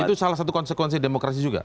itu salah satu konsekuensi demokrasi juga